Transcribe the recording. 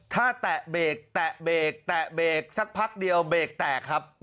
ถ้าแตะเบรกแตะเบรกแตะเบรกสักพักเดียวเบรกแตกครับ